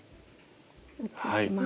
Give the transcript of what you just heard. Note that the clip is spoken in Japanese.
移します。